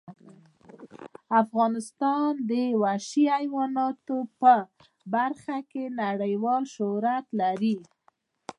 افغانستان د وحشي حیواناتو په برخه کې نړیوال شهرت لري.